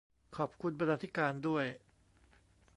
ขอบคุณบรรณาธิการด้วย